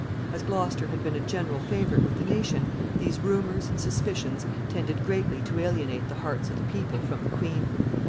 As Gloucester had been a general favorite with the nation, these rumors and suspicions tended greatly to alienate the hearts of the people from the queen.